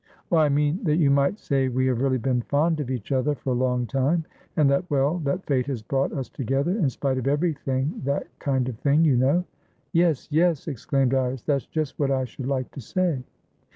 "Oh, I mean that you might say we have really been fond of each other for a long timeand thatwell, that fate has brought us together in spite of everything that kind of thing, you know." "Yes, yes!" exclaimed Iris. "That's just what I should like to say."